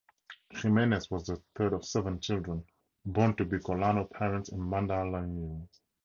Jimenez was the third of seven children born to Bicolano parents in Mandaluyong.